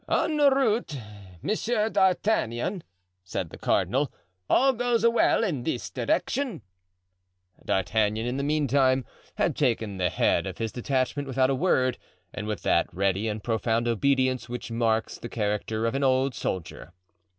"En route, Monsieur d'Artagnan," said the cardinal; "all goes well in this direction." D'Artagnan, in the meantime, had taken the head of his detachment without a word and with that ready and profound obedience which marks the character of an old soldier.